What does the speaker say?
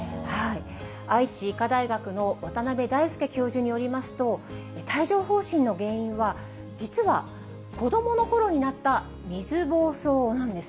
愛知医科大学の渡辺大輔教授によりますと、帯状ほう疹の原因は、実は子どものころになった水ぼうそうなんです。